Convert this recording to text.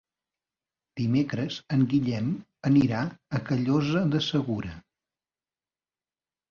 Dimecres en Guillem anirà a Callosa de Segura.